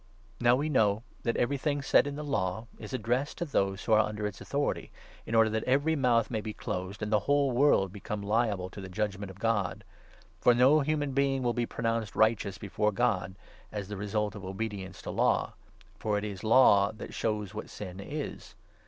18 Now we know that everything said in the Law is addressed 19 to those who are under its authority, in order that every mouth may be closed, and the whole world become liable to the judge ment of God. For ' no human being will be pronounced right 20 eous before God ' as the result of obedience to Law ; for it is Law that shows what sin is.